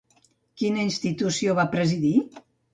Quina institució va presidir?